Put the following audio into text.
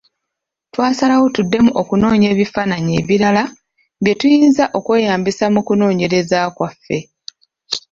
Twasalawo tuddemu okunoonya ebifaananyi ebirala bye tuyinza okweyambisa mu kunoonyereza kwaffe.